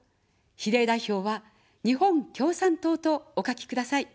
比例代表は、日本共産党とお書きください。